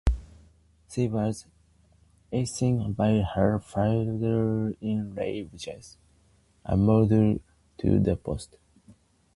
She was assigned by her father-in-law Jay Amado Araneta to the post.